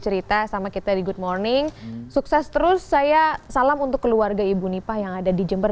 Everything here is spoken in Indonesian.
cerita sama kita di good morning sukses terus saya salam untuk keluarga ibu nipah yang ada di jember